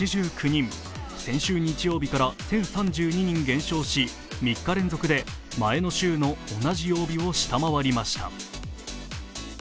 先週日曜日から１０３２人減少し３日連続で前の週の同じ曜日を下回りました。